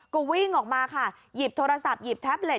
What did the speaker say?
ก็วิ่งออกมาค่ะหยิบโทรศัพท์หยิบแท็บเล็